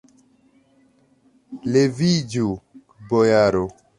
Leviĝu, bojaro!